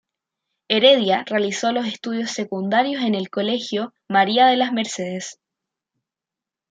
Heredia realizó los estudios secundarios en el Colegio María de las Mercedes.